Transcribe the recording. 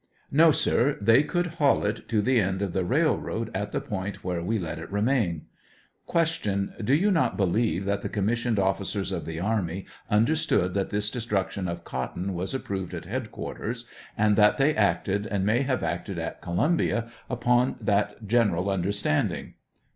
No, sir, they could haul it to the end of the rail road at the point where we let it remain. Q. Do you not believe that the commissioned offcers of the army understood that this destruction of cotton was approved at headquarters, and that they acted and may have acted at Columbia upon that general understanding?